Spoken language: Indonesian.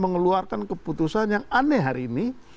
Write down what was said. mengeluarkan keputusan yang aneh hari ini